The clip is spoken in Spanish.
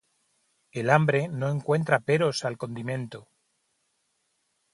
El hambre no encuentra peros al condimento.